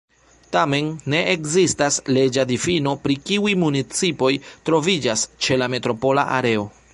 Tamen, ne ekzistas leĝa difino pri kiuj municipoj troviĝas ĉe la metropola areo.